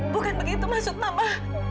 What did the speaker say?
bukan begitu maksud mama